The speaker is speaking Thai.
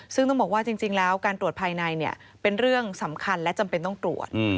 ซึ่งต้องบอกว่าจริงแล้วการตรวจภายในเป็นเรื่องสำคัญและจำเป็นต้องตรวจ